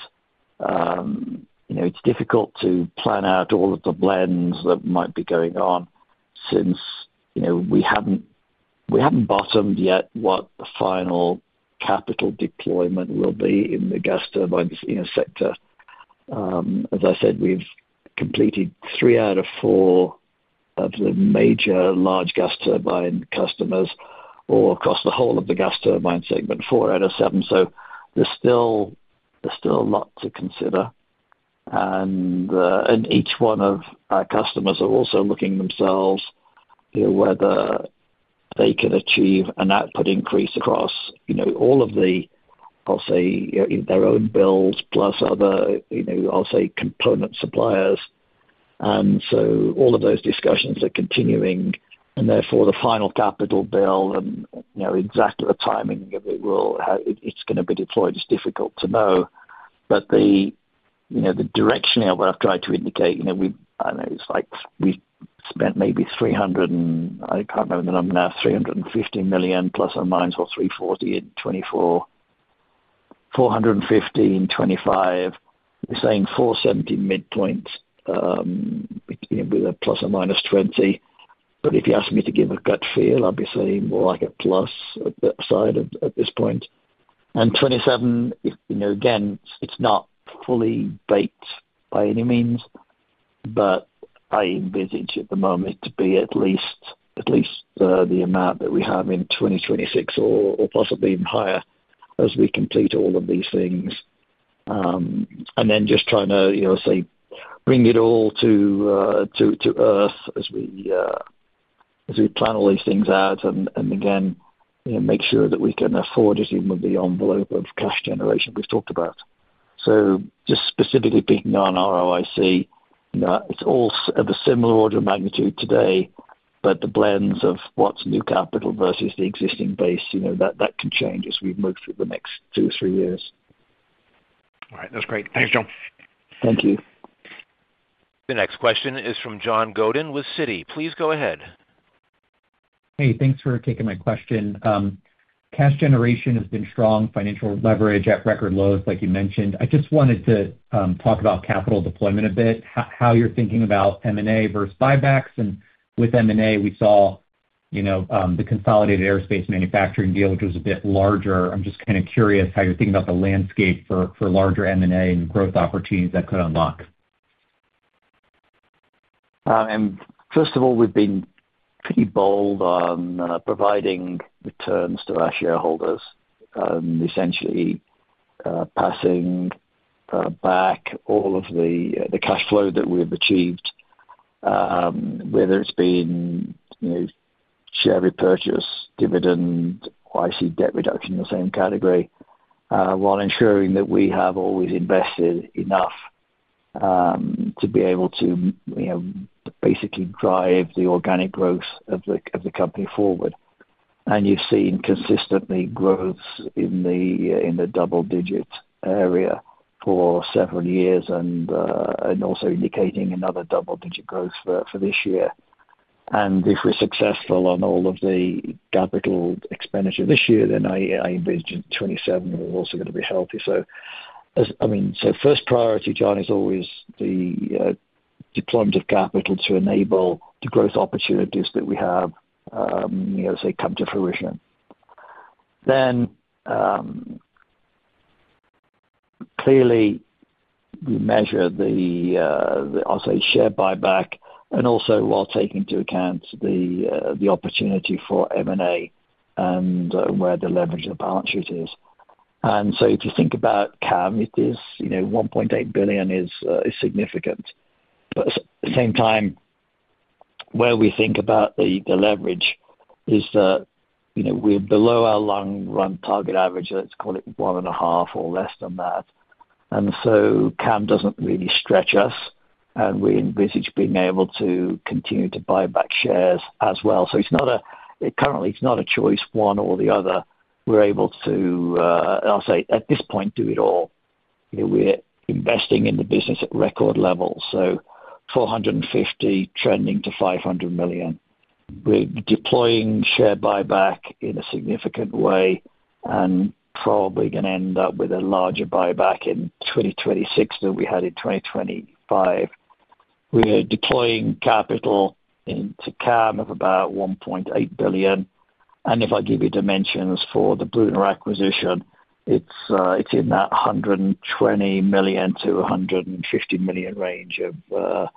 you know, it's difficult to plan out all of the blends that might be going on... since, you know, we haven't bottomed yet what the final capital deployment will be in the gas turbine, you know, sector. As I said, we've completed three out of four of the major large gas turbine customers or across the whole of the gas turbine segment, four out of seven. So there's still, there's still a lot to consider. And, and each one of our customers are also looking themselves, you know, whether they can achieve an output increase across, you know, all of the, I'll say, their own bills, plus other, you know, I'll say, component suppliers. And so all of those discussions are continuing, and therefore, the final capital bill and, you know, exactly the timing of it will, how it, it's gonna be deployed is difficult to know. But the, you know, the direction of what I've tried to indicate, you know, we, I know it's like we've spent maybe 300 and... I can't remember the number now, $350 million plus or minus or $348 million, 2024, $415 million, 2025. We're saying $470 million midpoint, with a ±20. But if you ask me to give a gut feel, I'd be saying more like a plus at that side at, at this point. And 2027, if, you know, again, it's not fully baked by any means, but I envisage at the moment to be at least, at least, the amount that we have in 2026 or, or possibly even higher as we complete all of these things. And then just trying to, you know, say, bring it all to, to earth as we, as we plan all these things out and, and again, you know, make sure that we can afford it in with the envelope of cash generation we've talked about. So just specifically being on ROIC, it's all of a similar order of magnitude today, but the blends of what's new capital versus the existing base, you know, that, that can change as we move through the next two, three years. All right. That's great. Thanks, John. Thank you. The next question is from John Godin with Citi. Please go ahead. Hey, thanks for taking my question. Cash generation has been strong, financial leverage at record lows, like you mentioned. I just wanted to talk about capital deployment a bit. How you're thinking about M&A versus buybacks, and with M&A, we saw, you know, the Consolidated Aerospace Manufacturing deal, which was a bit larger. I'm just kind of curious how you're thinking about the landscape for larger M&A and growth opportunities that could unlock. First of all, we've been pretty bold on providing returns to our shareholders, essentially passing back all of the cash flow that we've achieved, whether it's been, you know, share repurchase, dividend, or I see debt reduction in the same category, while ensuring that we have always invested enough to be able to, you know, basically drive the organic growth of the company forward. You've seen consistently growth in the double-digit area for several years and also indicating another double-digit growth for this year. If we're successful on all of the capital expenditure this year, then I envision 2027 is also gonna be healthy. So, I mean, so first priority, John, is always the deployment of capital to enable the growth opportunities that we have, you know, say, come to fruition. Then, clearly, we measure the, I'll say, share buyback, and also while taking into account the opportunity for M&A and where the leverage of the balance sheet is. And so if you think about CAM, it is, you know, $1.8 billion is significant. But at the same time, where we think about the leverage is that, you know, we're below our long-run target average, let's call it 1.5 or less than that. And so CAM doesn't really stretch us, and we envisage being able to continue to buy back shares as well. So it's not a choice, one or the other—currently, it's not a choice, one or the other. We're able to, I'll say, at this point, do it all. You know, we're investing in the business at record levels, so $450 million-$500 million. We're deploying share buyback in a significant way and probably gonna end up with a larger buyback in 2026 than we had in 2025. We are deploying capital into CAM of about $1.8 billion, and if I give you dimensions for the Brunner acquisition, it's in that $120 million-$150 million range of,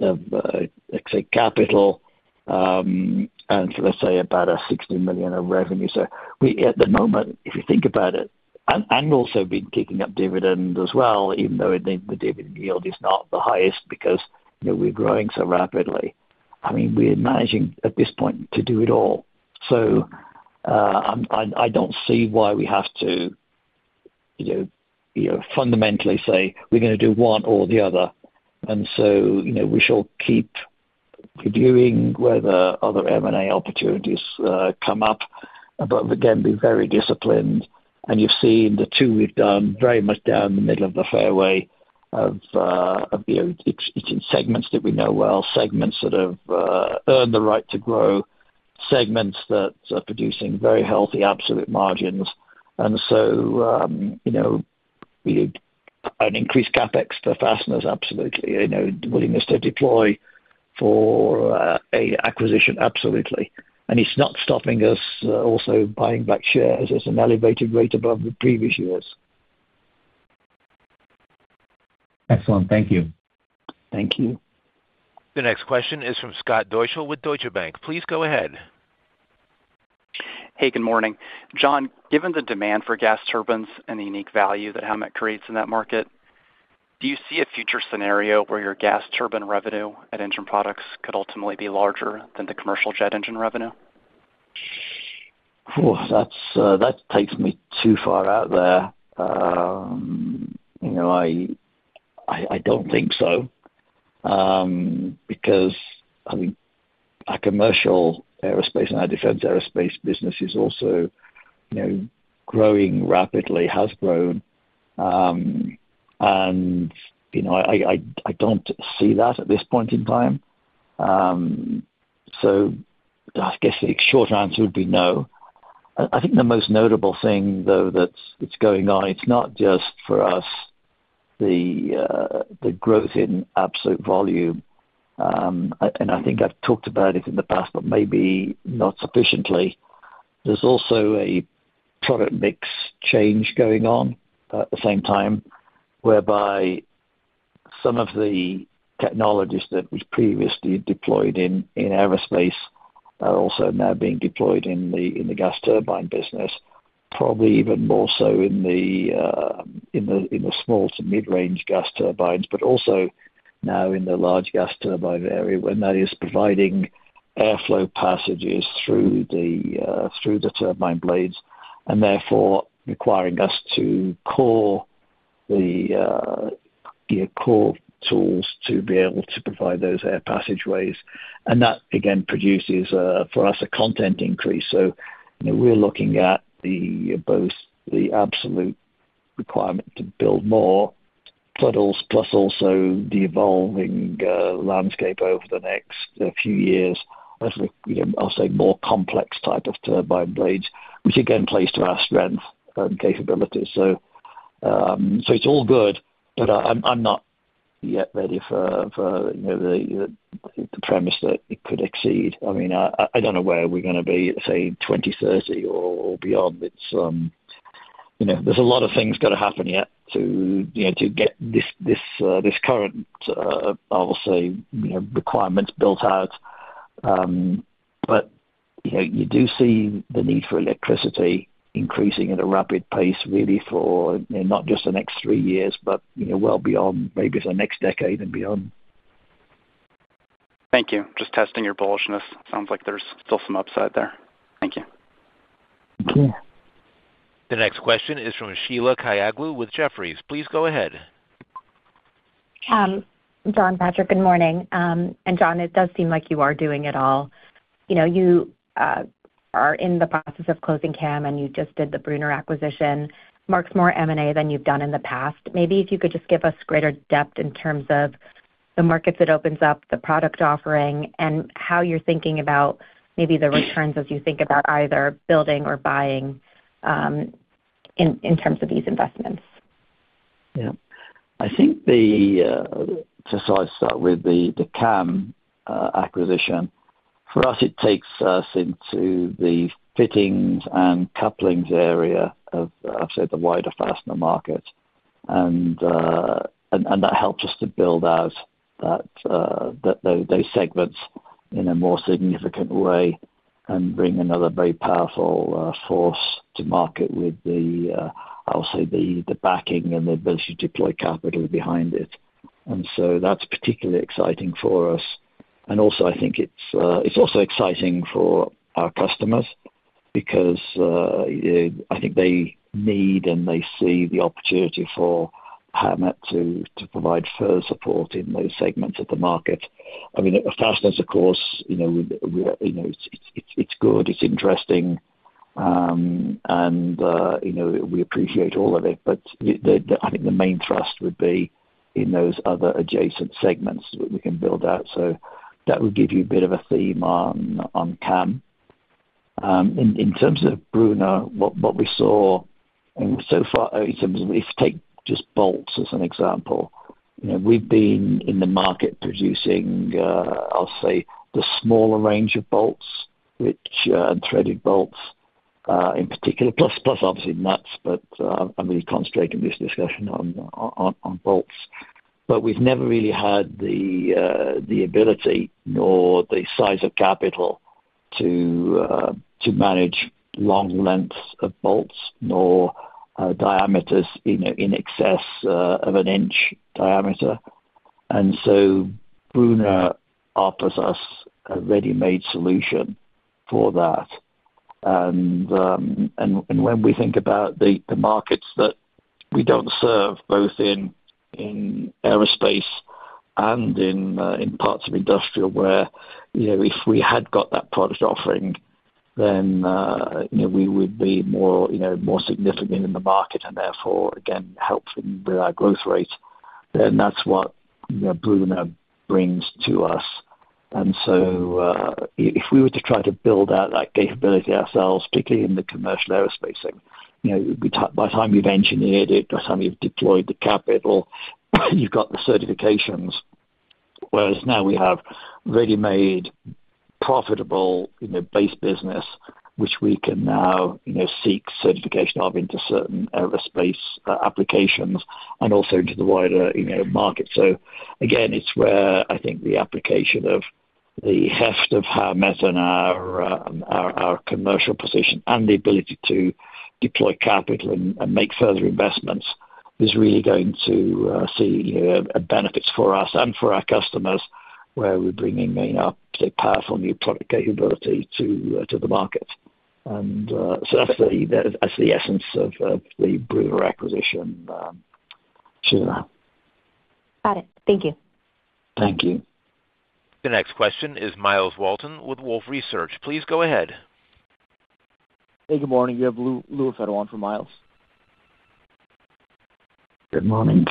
let's say, capital, and let's say about $60 million of revenue. So we, at the moment, if you think about it, and also been kicking up dividend as well, even though the dividend yield is not the highest because, you know, we're growing so rapidly. I mean, we're managing at this point to do it all. So, I'm, I don't see why we have to, you know, you know, fundamentally say we're gonna do one or the other. And so, you know, we shall keep reviewing whether other M&A opportunities come up, but again, be very disciplined. And you've seen the two we've done very much down the middle of the fairway of, of, you know, it's in segments that we know well, segments that have earned the right to grow, segments that are producing very healthy, absolute margins. And so, you know, an increased CapEx for fasteners, absolutely. You know, the willingness to deploy for a acquisition, absolutely. And it's not stopping us also buying back shares as an elevated rate above the previous years. Excellent. Thank you. Thank you. The next question is from Scott Deuschle with Deutsche Bank. Please go ahead. Hey, good morning. John, given the demand for gas turbines and the unique value that Howmet creates in that market, do you see a future scenario where your gas turbine revenue and engine products could ultimately be larger than the commercial jet engine revenue? Oh, that takes me too far out there. You know, I don't think so. Because, I mean, our commercial aerospace and our defense aerospace business is also, you know, growing rapidly, has grown. And, you know, I don't see that at this point in time. So I guess the short answer would be no. I think the most notable thing, though, that's going on, it's not just for us, the growth in absolute volume. And I think I've talked about it in the past, but maybe not sufficiently. There's also a product mix change going on at the same time, whereby some of the technologies that was previously deployed in aerospace are also now being deployed in the gas turbine business, probably even more so in the small to mid-range gas turbines, but also now in the large gas turbine area, when that is providing airflow passages through the turbine blades, and therefore requiring us to core the core tools to be able to provide those air passageways. And that, again, produces for us, a content increase. So, you know, we're looking at both the absolute requirement to build more, plus, plus also the evolving landscape over the next few years, as, you know, I'll say, more complex type of turbine blades, which again, plays to our strength and capabilities. So, it's all good, but I'm not yet ready for, you know, the premise that it could exceed. I mean, I don't know where we're gonna be, say, 2030 or beyond. It's, you know, there's a lot of things gonna happen yet to, you know, to get this current, I'll say, you know, requirements built out. But, you know, you do see the need for electricity increasing at a rapid pace, really for, you know, not just the next three years, but, you know, well beyond, maybe for the next decade and beyond. Thank you. Just testing your bullishness. Sounds like there's still some upside there. Thank you. Thank you. The next question is from Sheila Kahyaoglu with Jefferies. Please go ahead. John Plant, good morning. John, it does seem like you are doing it all. You know, you are in the process of closing CAM, and you just did the Brunner acquisition, marks more M&A than you've done in the past. Maybe if you could just give us greater depth in terms of the markets that opens up, the product offering, and how you're thinking about maybe the returns as you think about either building or buying, in terms of these investments. Yeah. I think so I'll start with the CAM acquisition. For us, it takes us into the fittings and couplings area of, I'd say, the wider fastener market. And that helps us to build out that those segments in a more significant way and bring another very powerful force to market with the I'll say, the backing and the ability to deploy capital behind it. And so that's particularly exciting for us. And also, I think it's also exciting for our customers, because I think they need, and they see the opportunity for Howmet to provide further support in those segments of the market. I mean, fasteners, of course, you know, we you know, it's good, it's interesting, and you know, we appreciate all of it, but I think the main trust would be in those other adjacent segments that we can build out. So that would give you a bit of a theme on CAM. In terms of Brunner, what we saw, and so far, in terms of if you take just bolts as an example, you know, we've been in the market producing, I'll say the smaller range of bolts, which threaded bolts in particular, plus obviously nuts, but I mean, concentrating this discussion on bolts. But we've never really had the ability nor the size of capital to manage long lengths of bolts, nor diameters in excess of an inch diameter. And so Brunner offers us a ready-made solution for that. And when we think about the markets that we don't serve, both in aerospace and in parts of industrial where, you know, if we had got that product offering, then you know, we would be more, you know, more significant in the market and therefore, again, helping with our growth rate.... Then that's what, you know, Brunner brings to us. And so, if we were to try to build out that capability ourselves, particularly in the commercial aerospace thing, you know, we, by the time you've engineered it, by the time you've deployed the capital, you've got the certifications. Whereas now we have ready-made, profitable, you know, base business, which we can now, you know, seek certification of into certain aerospace applications and also into the wider, you know, market. So again, it's where I think the application of the heft of Howmet and our, our, our commercial position and the ability to deploy capital and make further investments is really going to see benefits for us and for our customers, where we're bringing in a powerful new product capability to the market. And so that's the, that's the essence of the Brunner acquisition, Sheila. Got it. Thank you. Thank you. The next question is Miles Walton with Wolfe Research. Please go ahead. Hey, good morning. You have Luwei Federal on for Miles. Good morning.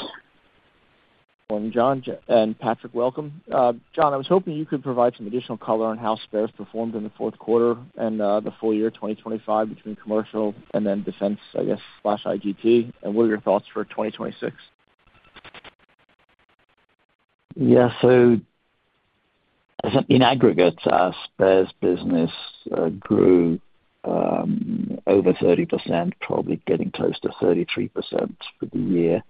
Morning, John and Patrick, welcome. John, I was hoping you could provide some additional color on how spares performed in the fourth quarter and the full year, 2025 between commercial and then defense, I guess, slash IGT. And what are your thoughts for 2026? Yeah. So I think in aggregate, our spares business grew over 30%, probably getting close to 33% for the year.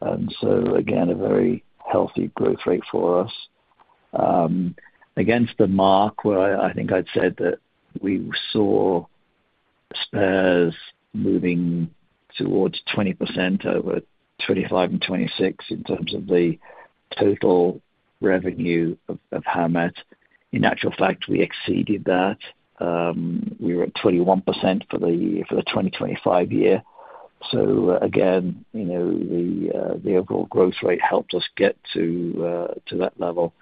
And so again, a very healthy growth rate for us. Against the mark, where I think I'd said that we saw spares moving towards 20% over 2025 and 2026 in terms of the total revenue of Howmet. In actual fact, we exceeded that. We were at 21% for the 2025 year. So again, you know, the overall growth rate helped us get to that level,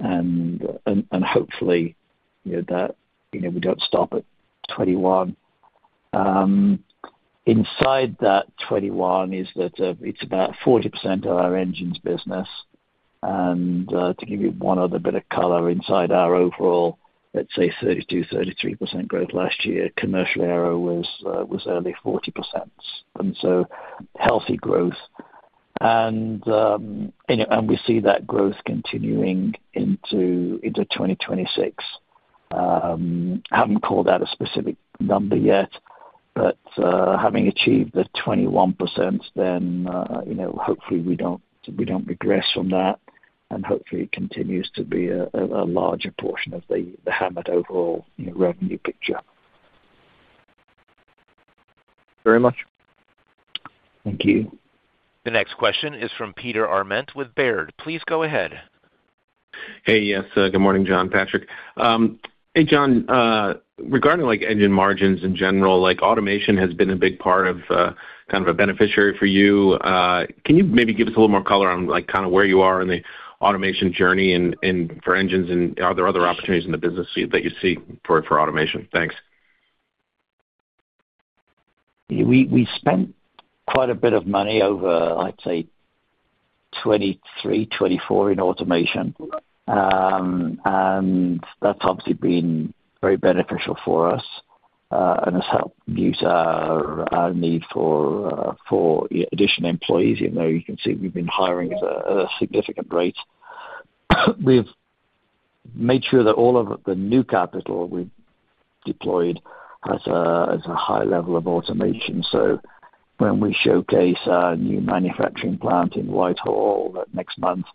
and hopefully, you know, we don't stop at 21. Inside that 21 is that it's about 40% of our engines business. To give you one other bit of color inside our overall, let's say 32-33% growth last year, commercial aero was nearly 40%, and so healthy growth. We see that growth continuing into 2026. Haven't called out a specific number yet, but having achieved the 21% then, you know, hopefully we don't regress from that, and hopefully it continues to be a larger portion of the Howmet overall, you know, revenue picture. Very much. Thank you. The next question is from Peter Arment with Baird. Please go ahead. Hey, yes. Good morning, John, Patrick. Hey, John, regarding, like, engine margins in general, like, automation has been a big part of, kind of a beneficiary for you. Can you maybe give us a little more color on, like, kind of where you are in the automation journey and, and for engines, and are there other opportunities in the business that you see for, for automation? Thanks. We spent quite a bit of money over, I'd say, 2023, 2024 in automation. And that's obviously been very beneficial for us, and has helped reduce our need for additional employees. Even though you can see we've been hiring at a significant rate. We've made sure that all of the new capital we've deployed has a high level of automation. So when we showcase our new manufacturing plant in Whitehall next month,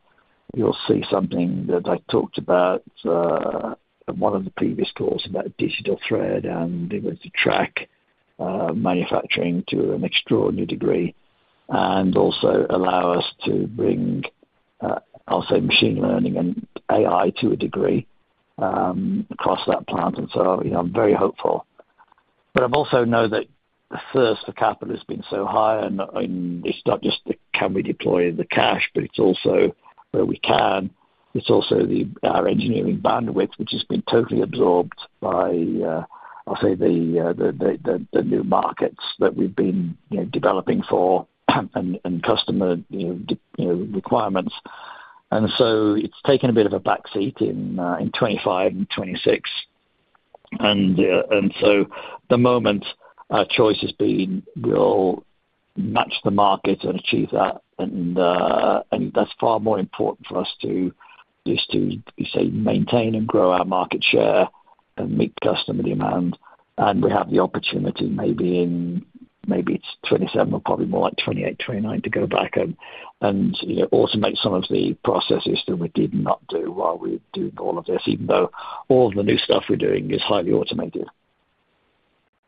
you'll see something that I talked about at one of the previous calls about digital thread, and it was to track manufacturing to an extraordinary degree and also allow us to bring, I'll say, machine learning and AI to a degree across that plant. And so, you know, I'm very hopeful. But I've also known that the thirst for capital has been so high, and it's not just the can we deploy the cash, but it's also where we can. It's also our engineering bandwidth, which has been totally absorbed by, I'll say the new markets that we've been, you know, developing for, and customer, you know, requirements. And so it's taken a bit of a backseat in 2025 and 2026. And so at the moment our choice has been, we'll match the market and achieve that, and that's far more important for us to... just to say, maintain and grow our market share and meet customer demand. We have the opportunity, maybe in 2027 or probably more like 2028, 2029, to go back and, you know, automate some of the processes that we did not do while we were doing all of this, even though all the new stuff we're doing is highly automated.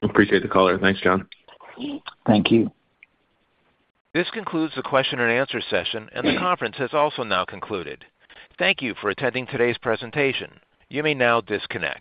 Appreciate the call. Thanks, John. Thank you. This concludes the question and answer session, and the conference has also now concluded. Thank you for attending today's presentation. You may now disconnect.